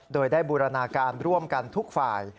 โดยได้บูรณาการร่วมกันทุกฝ่าย